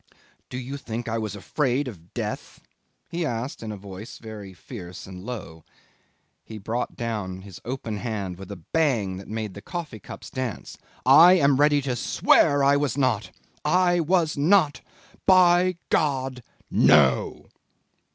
"Do you think I was afraid of death?" he asked in a voice very fierce and low. He brought down his open hand with a bang that made the coffee cups dance. "I am ready to swear I was not I was not. ... By God no!"